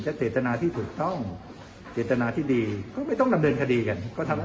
จะแตกตั้งนะที่ถูกต้องแตกตันะที่ดีต้องกับไหน